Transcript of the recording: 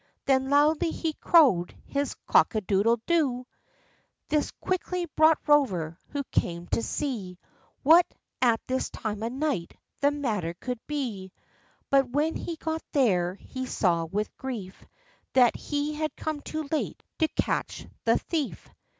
Then loudly he crowed his "Cock a doodle doo!" This quickly brought Rover, who came to see What, at this time of' night, the matter could be ; But when he got there, he saw with grief That he had come too late to catch the thief.